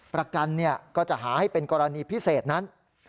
ประกันก็จะหาให้เป็นกรณีพิเศษนั้น